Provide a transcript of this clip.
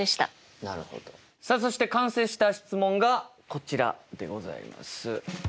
さあそして完成した質問がこちらでございます。